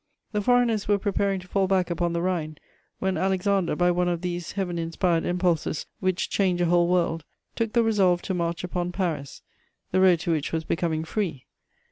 The foreigners were preparing to fall back upon the Rhine, when Alexander, by one of these Heaven inspired impulses which change a whole world, took the resolve to march upon Paris, the road to which was becoming free.